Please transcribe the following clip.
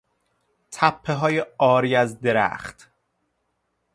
تپههای عاری از درخت